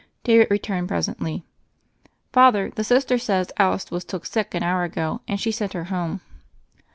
David returned presently. "Father, the Sister says Alice was took sick an hour ago, and she sent her home."